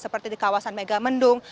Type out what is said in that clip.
seperti di kawasan megamendung